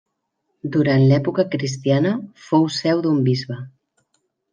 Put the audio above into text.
Durant l'època cristiana fou seu d'un bisbe.